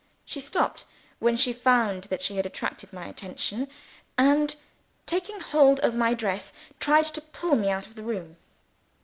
She stopped, when she found that she had attracted my attention; and, taking hold of my dress, tried to pull me out of the room.